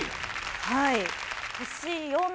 はい。